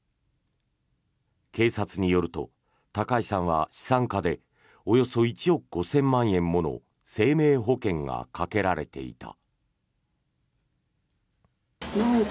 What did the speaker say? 警察によると高井さんは資産家でおよそ１億５０００万円もの生命保険がかけられていた。